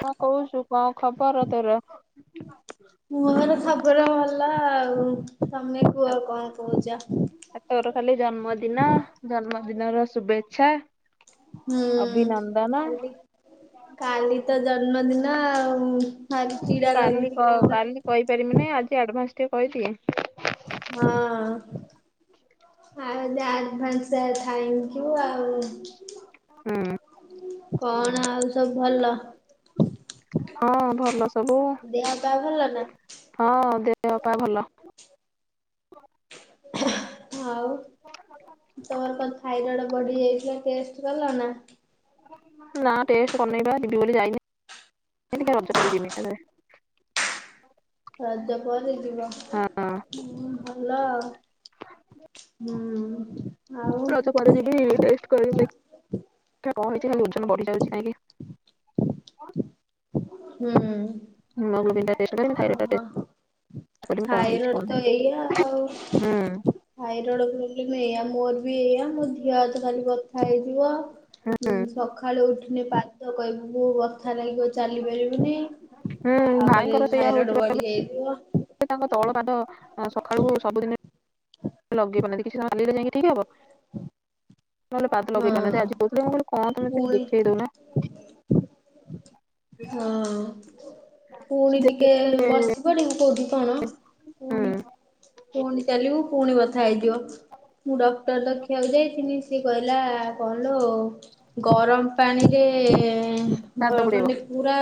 ହଁ କହୁଛୁ କଣ ଖବର ଅ ତର ମୁଁ ତର ଖବରେ ଭଲ ଆଉ ତମେ କୁ ଆଉ କଣ କହୁଛ ଆ ତୋର ଖାଲି ଜନ୍ମଦିନ ଜନ୍ମଦିନ ର ଶୁଭେଚ୍ଛା ହୁଁ ଅଭିନନ୍ଦନ। କାଲି କାଲି ତ ଜନ୍ମଦିନ ଆଉ ଖଲି ଚଛିଡା ଲାଗନ୍ତି କଣ ପାଇଁ କହିପାରିବି ନାାଇଁ ଆଜି ଆଡ଼ଭାନ୍ସ ଟେ କହିଦିଏ ହଁ ଆଉ ଆଡଭାନ୍ସ ଥ୍ୟାଙ୍କ ୟୁ ଆଉ ହୁଁ। କଣ ଆଉ ସବୁ ଭଲ ହଁ ଭଲ ସବୁ ଦେହ ପା ଭଲ ନା? ହଁ ଦେହ ପା ଭଲ ହଉ ତୋମର କଣ ଥାଇରଏଡ଼ ବଢି ଯାଇଥିଲା ଟେଷ୍ଟ କଲ ନା। ନା ଟେଷ୍ଟ କରିନେଇବା ଦିବି ବୋଲି ଯାଇନି [inaudible] ରାଜ ପରେ ଯିବ। ହଁ ହଁ ଭଲ ହୁଁ ଆ। ରଜ ପରେ ଯିବି ଟେଷ୍ଟ ତେ ବଢି ଯାଉଛି କାହିଁକି? ହୁଁ [unintelligible] କରିବି କଣ ହେଇଛି ଥାଇରଏଡ଼ କଣ ତ ନାହିଁ ଏଇ ଆଉ ହୁଁ ଥାଇରଏଡ ପ୍ରୋବ୍ଲେମ ଏଇା ମୋର ବି ଏଇଆ ମୋ ଦେିଅ ହାତ ଖାଲି ବଥା ହେଇଯିବ ଉଁ ହୁଁ ସକାଳେୁ ଉଠିନି ପାଦ କହିବୁ ମୁ ବ କଥା ଲାଗିବ ଚାଲିପାରିବୁନି ହୁଁ ତାପରେ ଭାଇଙ୍କର ସେଇଆ ହଉଛି ଥାଇରଏଡ ବା ଏବେ, ବଢି ଯାଇଥିବ। ତାଙ୍କ ତଉଳ ପାଦ ସକାଳୁ ସବୁଦିନ ଲଗେଇ ପାରି କିଛି [unintelligible] ଯାଇକି ଠିକ ହବ। ନହେଲେ ପାଦ ହଁ। ଲଗେଇ ପାରୁନାହାନ୍ତି ଆଜି କହୁଥିଲି ମୁଁ କହିଲେ କଣ ତମେ ପୁଣି ଦେଖେଇ ଦଉ ନା ହଁ ସେ ପୁଣି ଟିକେ ଦେଖେଇ ବସିବନି ମୁ କୋଉଠି। କଣ ହୁଁ ପୁଣି ପୁଣି ଚାଲିବୁ ପୁଣି ବସ। କଥା ହେଇଯିବ ମୁଁ ଡକ୍ଟର ଦେଖିବାକୁ ଯାଇଥିନି ସିଏ କହିଲା କହଲ। ଗରମ ପାଣିରେ ଭଲ ପାଦ ପୁଡେଇବ ମାନେ ପୁରା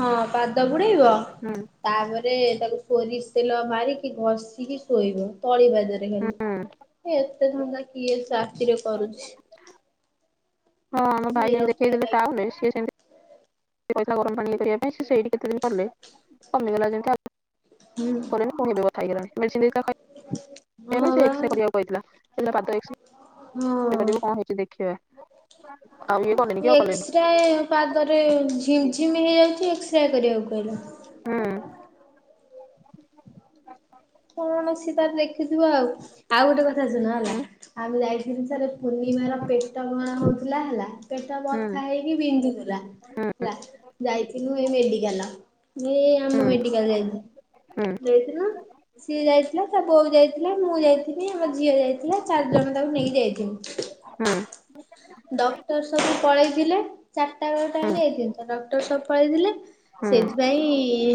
ହଁ ପାଦ ବୁଡେଇବ ହୁଁ ତାପରେ ତାକୁ ପୋରିସେଲ ମାରିକି ଘଷିକି ଶୋଇବ ତଳି ବାଜାରେରେ ହୁଁ ଖଲି ଏତେ ଧନ୍ଦା କିଏ ଚାକିରେ କରୁଛି ହଁ ଆମ ଭାଇ ଯାଇ ଦେଖେଇ ବିରକ୍ତିଆ ଦେେଲେ ଟା ଲାଗିବ। ନୁହଁ ସିଏ ସେମିତି ପଇସା ଗରମ ପା ସେଇଠି କେତେ ଦିନ ପଲେ କମିଗଲା ଯେମିତି ଆ। ହୁଁ କ କଣିବ କଥା ହେଇଗଲାଣି ହଁ [unintelligible] ଏକ୍ସରେ ବା କରିବାକୁ କହିଥିଲା ହେଲା ପାଦ କଣ ହଁ। ହେଇଛି ଦେଖି ଆଉ କଲେନି କିଉ କଲେନି। ଏକ୍ସରେ ପାଦରେ ଝିମ୍ ଝିମ୍ ହେଇଯାଉଛି ଏକ୍ସରେ କରିବାକୁ କହିଲା। ହୁଁ କଣ ସେ ତାର ଦେଖିଥିବ ଆଉ ଆଉ ଗୋଟେ କଥା ଶୁଣ ହେଲା ହୁଁ ଆମେ ଯାଇଥିଲି ସାର ପୁର୍ଣ୍ଣିମାର ପେଟ କଣ ହଉଥିଲା ହେଲା ପେଟ ହୁଁ ବଥା ହେଇକି ବିନ୍ଧୁଥିଲା। ହୁଁ ହେଲା। ଯାଇଥିଲିନୁ ଏ ମେଡିକାଲ ଏ ଆମ ହୁଁ ମେଡିକାଲ ଯାଇଛ ହୁଁ ଯାଇଥିଲ ସିଏ ଯାଇଥିଲା ତା ବୋଉ ଯାଇଥିଲା ମୁଁ ଯାଇଥିଲି ଆମ ଝିଅ ଯାଇଥିଲା ଚାରି ଜଣ ତାକୁ ନେଇକି ଯାଇଥିଲୁ। ହୁଁ ଡକ୍ଟର ସବୁ ପଳେଇଥିଲେ ଚାରଟାବେଳ ହୁଁ ଟାଇମରେ ଏଇ ଜିନିଷ ଡକ୍ଟର ସବୁ ପଳେଇଥିଲେ ହୁଁ ହୁଁ ସେଇଥିପାଇଁ।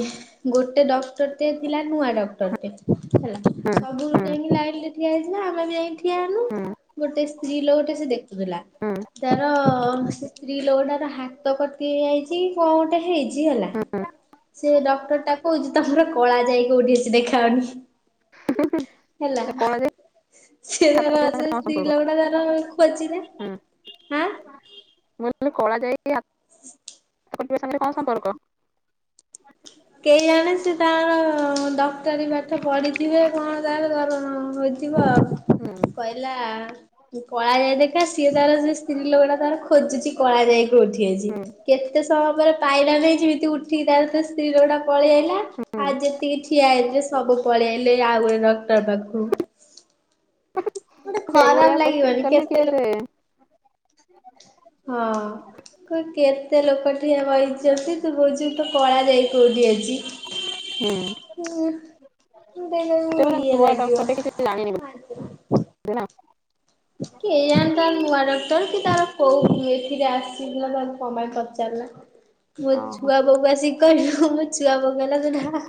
ଗୋଟେ ଡକ୍ଟରଟେ ଥିଲା ନୂଆ ଡକ୍ଟରଟ ହେଲା ସବୁ ହୁଁ ଯାଇକି ଲାଇନରେ ଠିଆ ହେଇଥିଲା ଆମେ ବି ଯାଇକି ଠିଆ ହେଲୁ ହୁଁ ଗୋଟେ ସ୍ତ୍ରୀ ଲୋକଟେ ସେ ଦେଖୁଥିଲା। ହୁଁ ତାର ସ୍ତ୍ରୀ ଲୋକଟାର ହାତ କଟି ହେଇ ଯାଇଛି କଣ ଗୋଟେ ହେଇଛି ହେଲା। ହୁଁ ହୁଁ। ସେ ଡକ୍ଟରଟା କହୁଛି ତମର କଳାଜାଇ କୋଉଠି ଅଛି ଦେଖାଅନି। ହୁଁ ହେଲା କଳା ସେ ହାତ ଧର କଟିବା ସେ ସାଙ୍ଗରେ କଣ ସ୍ତ୍ରୀ ସମ୍ପର୍କ? ଲୋକଟା ଧର ଖୋଜିଲେ। ହାଁ। ମୁଁ କହିଲି କଳାଜାଇ [inaudible] ସାଙ୍ଗରେ କଣ ସମ୍ପର୍କ? କେଜାଣି ସେ ତାଙ୍କ ଡକ୍ଟରୀ ପାଠ ପଢିଥିବେ କଣ ତାଙ୍କ ହୋଇଥିବ ହୁଁ କହିଲା। କଳାଜାଇ ଦେଖା ସିଏ ତାର ସେ ସ୍ତ୍ରୀ ଲୋକଟା ତାର ଖୋଜୁଛି କଳାଜାଇ କୋଉଠି ଅଛି? କେତେ ସମୟ ପରେ ପାଇଲା ନାହିଁ ଯେମିତି ଉଠିକି ତାର ସ୍ତ୍ରୀ ଲୋକଟା ପଳେଇଆଇଲା। ହୁଁ ଆଉ ଯେତିକି ଠିଆ ହେଇଥିଲେ ସବୁ ପଳେଇ ଆଇଲେ ଆଉ ଗୋଟେ ଡକ୍ଟର ପାଖକୁ। ଗୋଟେ ଏଇ ଖରାପ ଭଳିଆ କୋଶ୍ଚିନ ଲାଗିବନି କଲେ କେତେ କିଏ ଲୋକ ଯେ ହଁ। କ କେତେ ଲୋକ ଠିଆ ବଇଛନ୍ତି ତୁ କହୁଛୁ ତ କଳାଜାଇ କୋଉଠି ଅଛି? ହୁଁ [inaudible] ତାକୁ ଇଏ ଲାଗିବ [inaudible] ବୋଧେ ନା? କି ଏଇତା ନୂଆ ଡକ୍ଟର କି ତାର କୋଉ ଏଥିରେ ଆସିଥିଲା ତାର ସମୟ ପଚାରିଲା? ମୋ ଓହୋ ଛୁଆ ବୋଉକୁ ଆସିକି କହିଲି ମୋ ଛୁଆ କହିଲା?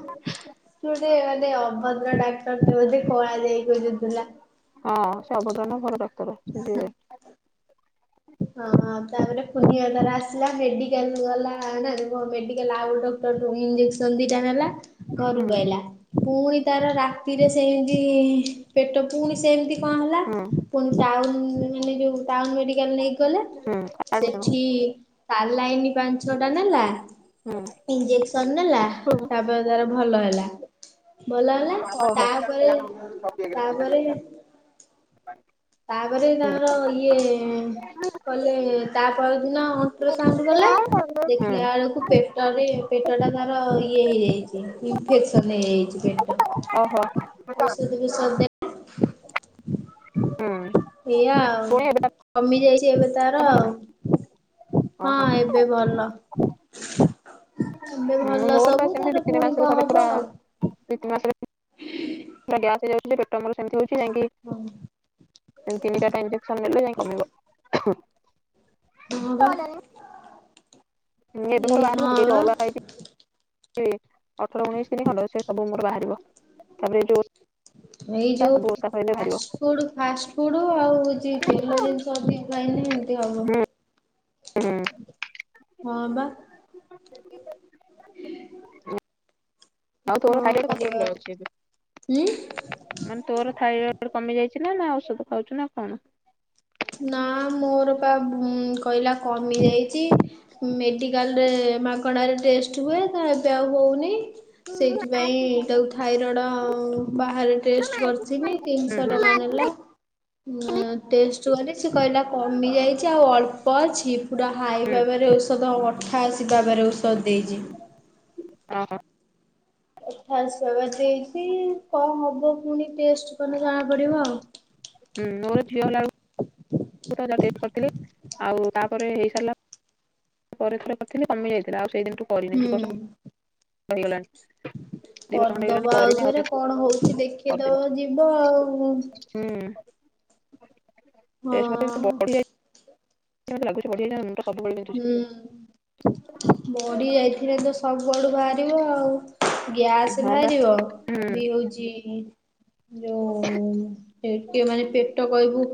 ପୁଣି ସେ ମାନେ ଅଭଦ୍ର ଡାକ୍ତରଟେ ବୋଧେ ଯେ କଳାଜାଇ ଖୋଜୁଥିଲା? ହଁ ସବୁଠାରୁ ଭଲ ଡାକ୍ତର [inaudible] ହଁ ତାପରେ ପୁନିଆ ତାର ଆସିଲା ମେଡିକାଲ ଗଲା ମେଡିକାଲ ଆଉ ଗୋଟ ଇଞ୍ଜେକସନ ଦିଟା ନେଲା ହୁଁ ଘରକୁ ଆଇଲା। ପୁଣି ତାର ରାତିରେ ସେମିତି ପେଟ ପୁଣି ସେମିତି କଣ ହେଲା? ହୁଁ ଟାଉନ ମାନେ ଯୋଉ ଟାଉନ ମେଡି ନେଇକି ଗଲେ ହୁଁ ଆଡମିସନ ସେଠି ସାଲାଇନି ପାଞ୍ଚ ଛଅ ଟା ନେଲା। ହୁଁ ଇଞ୍ଜେକ୍ସନ ନେଲା ତାପରେ ତାର ଭଲ ହେଲା। ଭଲ ହେଲା ଓହୋ ତାପରେ ତାପରେ ତାପରେ ହୁଁ ତାଙ୍କର ଇଏ କଲେ ତା ପରଦିନ ଅଲଟ୍ରାସାଉଣ୍ଡ କଲେ। ହୁଁ ଦେଖିଲା ବେଳକୁ ପେଟରେ ପେଟଟା ତାର ଇଏ ହେଇଯାଇଛି ଇନଫେକ୍ସନ ହେଇଯାଇଛି। [unintelligible] ଅହୋ। [inaudible] ହୁଁ। ଏଇଆ ଆଉ ପୁଣି ଏବେ ତାର କମିଯାଇଛି ଏବେ ତାର ଭଲ ନା? ଆଉ ଓହୋ ହଁ ଏବେ ଭଲ। ଏବେ ଭଲ ହୁଁ ମୋର ପା ସବୁ ସେମିତି ତାର ଦି ତିନି ପୁଣି ମାସରେ କଣ ଥରେ ହବ ପୁରା ଆଉ। ଦୁଇ ତିି ମାସରେ ଗ୍ୟାସ ହେଇଯାଉଛି ପେଟ ମୋର ସେମିତି ହଉଛି ଯାଇଁକି? ହଁ ତିନି ଚାରଟା ଇଞ୍ଜେକସନ ନେଲେ ଯାଇ କମିବ। ହଁ ପା। ଏ ହଁ ବା [inaudible] ଅଠର ଉଣେଇଶି ଦିନି ଖଣ୍ଡ ସେ ସବୁ ମୋର ବାହାରିବ ତାପରେ ଏ ଯୋଉ ଏଇ ଓଷା ଯୋଉ ସବୁ ଓଷା ସଇଲେ ବାହାରିବ। ଫାଷ୍ଟ ଫୁଡ ଫାଷ୍ଟ ଫୁଡ୍ ଆଉ ହଉଛି ତେଲ ଜିନିଷ ଅଧିକ ଖାଇଲେ ଏମତି ହବ। ହୁଁ ହୁଁ ହଁ ବା। ଆଉ ତୋ [unintelligible] କଣ ଅଛି କରିବା ଆଉ ଉଁ ଏବେ। ମାନେ ତୋର ଥାଇରଏଡ କମି ଯାଇଛି। ନା ନା ଔଷଧ ଖାଉଛୁ ନା କ'ଣ? ନା ମୋର ପା କହିଲା କମି ଯାଇଛି। ମେଡ଼ିକାଲରେ ମାଗଣାରେ ଟେଷ୍ଟ ହୁଏ। ତ ଏବେ ଆଉ ହଉନି। ସେଇଥିପାଇଁ ତାକୁ ଥାଇରଏଡ଼ ବାହାରେ। ଟେଷ୍ଟ କରି ହୁଁ ତିନିଶହ ହୁଁ ଟଙ୍କା ନେଲା। ଟେଷ୍ଟ ଚୁଆଲେ ସେ କହିଲା କମି ଯାଇଛି। ଆଉ ଅଳ୍ପ ଅଛିିପୁରା ହାଇ ହୁଁ ପାୱାରେ ଔଷଧ ଆଠାଷୀ ପୟରରେ ଔଷଧ ଦେଇଛି। ଓହୋ ଏଠ ଆସବା ଦେଇଛି କ'ଣ ହବ ପୁଣି ଟେଷ୍ଟ କଲେ ଜଣା ପଡିବ ଆଉ। ହୁ ମୋ ଝିଅ ହେଲା ବେଳ କୁ [unintelligible] ଟେଷ୍ଟ କରିଥିଲି। ଆଉ ତାପରେ ହେଇସାରିଲା। ପରେ ଥରେ କରିଥିଲି କମି ଯାଇଥିଲା। ଆଉ ସେଇଦିନଠୁ। ହୁଁ। [unintelligible] ଦି ବର୍ଷ ଖଣ୍ଡେ ହେଇଗଲାଣି କରିଦବା ଆଉ କରିନି ଥରେ ଟେଷ୍ଟ କ'ଣ ହଉଛି? କରିନି। ଦେଖେଇଦବ ଯିବ ଆଉ। ହୁଁ ହଁ [inaudible] ମତେ ଲାଗୁଚି ବଢ଼ି ଯାଉଛି। ମୁଣ୍ଡ ସବୁ ବେଳେ ବିନ୍ଧୁଚି। ହୁଁ ବଡି ଯାଇଥିବେ ତ। ସବୁଆଡୁ ବାହାରିବ ଆଉ ଗ୍ୟାସ ହଁ ବା ବାହାରିବ ହୁଁ ବି ହଉଛି। ଯୋଉ [inaudible] ଟିକେ ମାନେ ପେଟ କହିବୁ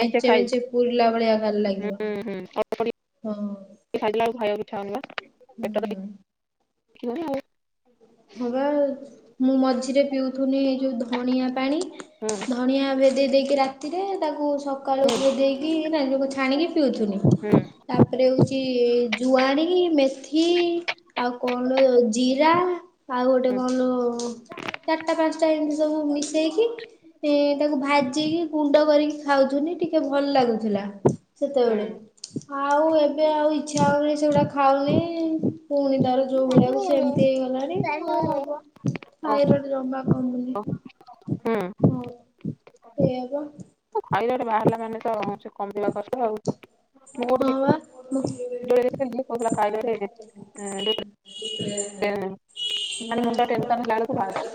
ମେଞ୍ଚେ ମେଞ୍ଚେ ପୁରିଲା ଭଳିଆ ଲାଗିବ। ହୁଁ ହୁଁ [inaudible] ହଁ। ଖାଇଲା ଏକୁ ଖାଇବାକୁ ଇଛା ହୋଉନି ପା ଆଉ ପେଟ ହୁଁ। ଖାଲି ଆଉ। ହବା ମୁଁ ମଝିରେ ପିଉଥିନି ଏଇ ଯୋଉ ଧଣିଆ ପାଣି। ଧଣିଆ ଭେଦେଇ ଦେଇକି ରାତିରେ ତାକୁ ସ ସକାଳୁ ହୁଁ ହୁଁ ଧୋଇ ଦେଇକି ନାଇ ତାକୁ ଛାଣିକି ପିଉୁଥିଲି। ହୁଁ ତାପରେ ହଉଛି ଜୁଆଣୀ, ମେଥି। ଆଉ କଣଲ ଜିରା ଆଉ ଗୋଟେ ହୁଁ କ'ଣ? ଚାରଟା ପାଞ୍ଚଟା ଏମିତି ସବୁ ମିଶେଇକି। ତାକୁ ଭାଜିକି ଗୁଣ୍ଡ କରିକି ଖାଉଛନ୍ତିି ଟିକେ ଭଲ ଲାଗୁଥିଲା। ହୁଁ ସେତେବେଳେ ଆଉ ଏବେ ଆଉ ଇଚ୍ଛା ହଉନି ସେଗୁଡା ଖାଉନି ପୁଣି ତାର ଯୋଉ ଭଳିଆକୁ ସେମିତି ହେଇଗଲାଣି କ'ଣ ହବ। ଓ ଥାଇରଏଡ଼ ଜମା କମୁନି। ହୁଁ ହଁ ସେୟା ପା। ଥାଇରଏଡ଼ ବାହାରିଲା ମାନେ ତ ସେ କମିବା କଷ୍ଟ ଆଉ। ମୁଁ ଗୋ। ହଁ ବା [unintelligible] ମାନେ ମୁଣ୍ଡ ଟେନ୍ସନ ହେଲାବେଳକୁ ବାହାରୁଚି।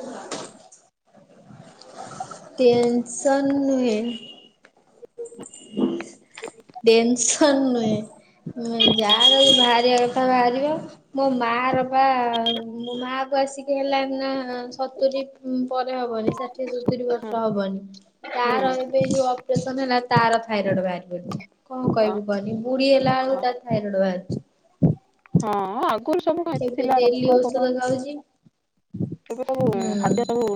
ଟେନସନ ନୁହେଁ। ଟେନସନ ନୁହେଁ। ଯାହାର ବି ବାହାରିବା କଥା ବାହାରିବ। ମୋ ମା ର ବା ମୋ ମା କୁ ଆସିକି ହେଲାଣୀ ନା ସତୁରି। ହୁଁ ପରେ ହବନି। ଏ ସତୁରି ବର୍ଷ ହୁଁ ହବନି, ତାର ହୁଁ ଏବେ ଯୋଉ ଅପରେସନ ହେଲା ତାର ଥାଇରଏଡ ବାହାରିଛି। କ'ଣ ଓ କଇବୁ କହନି ବୁଢୀ ହେଲା ବେଳକୁ ହଁ ତାର ଥାଇରଏଡ ବାହାରୁଛି। ହଁ ଆଉ। ସ୍କୁଲ ସବୁ କ ଏତେ ଏବେ ଥିଲା ଡେଲି [unintelligible] ଔଷଧ ଖାଉଛି ସବୁ ହୁଁ ଖାଦ୍ୟ ସବୁ।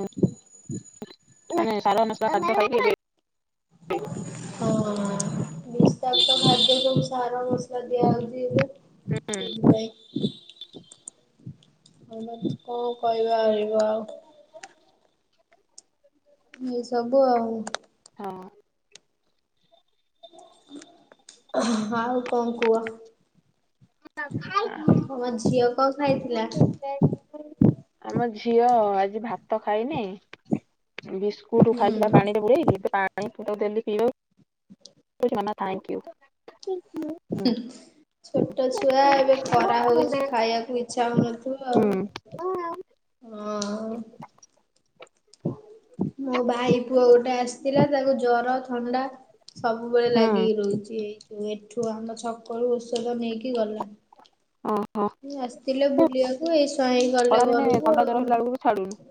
[inaudible] ହଁ [unintelligible] ସବୁ ସାର ମସଲା ଦିଆହୋଉଛି ଏବେ। ହୁଁ। କଣ କହିବା ଏବେ ଆଉ। ଏଇ ସବୁ ଆଉ। ହଁ। ଆଉ କଣ କୁହ? ତମ ଝିଅ କଣ ଖାଇଥିଲା? ଆମ ଝିଅ ଆଜି ଭାତ ଖାଇନି। ବିସ୍କୁଟ ହୁଁ। ଖାଇଥିଲା ପାଣିରେ ବୁଡେଇକି। [unintelligible] ଛୋଟ ଛୁଆ ଏବେ ଖରା ହଉଚି ଖାଇଆକୁ ଇଚ୍ଛା ହଉନଥିବ ହୁଁ ଆଉ। ହଁ ଆଉ। ମୋ ଭାଇ ପୁଅ ଗୋଟେ ଆସିଥିଲା ତାକୁ ଜର ଥଣ୍ଡା। ସବୁବେଳେ ହୁଁ ଲାଗିକି ରହୁଛି ଏଇଠୁ ଏଠୁ ଆମ ଛକରୁ ଔଷଧ ନେଇକି ଗଲା। ଓହୋ ଆସିଥିଲେ ବୁଲିଆକୁ ଏଇସ୍ୱା ଏଇ ଗଲେ ଖରାଦିନେ ଘରୁକୁ ଥଣ୍ଡା ଆଉ। [unintelligible]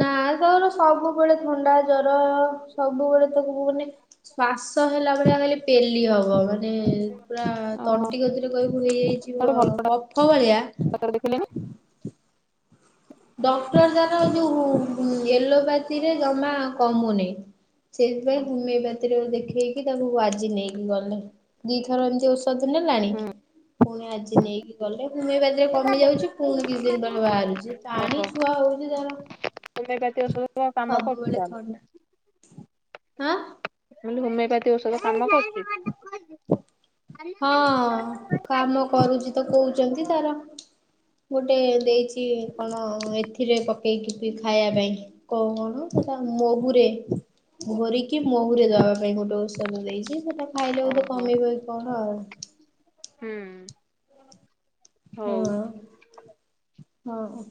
ନା ତାର ସବୁବେଳେ ଥଣ୍ଡା ଜର ସବୁବେଳେ ତାକୁ ମାନେ। ଶ୍ଵାସ ହେଲା ଭଳିଆ ଖାଲି ପେଲି ହବ। ଏକା। ମାନେ ପୁରା ଓହୋ ତଣ୍ଟି କତିରେ କହିବୁ ହେଇଯାଇଛି ବ କପ ଭଳିଆ। ପତ୍ର ଦେଖିଲେଣୀ। ଡକ୍ଟର ତାର ଯୋଉ ଏଲୋପାଥିରେ ଜମା କମୁନାଇ। ସେଇଥିପାଇଁ ହୋମିଓପାଥିରେ ଦେଖେଇକି ତାକୁ ଆଜି ନେଇକି ଗଲେ ଦିଥର ଏମିତି ଓଷ। ସଦିନେଲାଣି। ହୁଁ ପୁଣି ଆଜି ନେଇକି ଗଲେ ହୋମେଇପାତିରେ କମିଯାଉଚି ପୁଣି କିଛି ଦିନ ପରେ ବାହାରୁଛି। ପାଣି ଓହୋ ଛୁଆ ହଉଛି ଯାର ହୋମିଓପାଥି ଔଷଧ କାମ କରୁଛି ସବୁବେଳେ ତାହେଲେ ଥଣ୍ଡା। ହାଁ। ମୁଁ କହିଲି ହୋମିଓପାଥି ଔଷଧ କାମ କରୁଛି। ହଁ କାମ କରୁଛି ତ କହୁଛନ୍ତି ତାର ଗୋଟେ ଦେଇଛି। କି କଣ ଏଥିରେ ପକେଇକି ବି ଖାଇବା ପାଇଁ। କଣ କଣ ସେ ମହୁରେ ଭରିକି ମହୁରେ ଦବା ପାଇଁ ଗୋଟେ। ଔଷଧ ଦେଇଛି ସେଟା ଖାଇଲେ ବୋଧେ ଓହୋ କମିବ କଣ ଆଉ। ହୁଁ। ହଉ ହଁ ହଁ।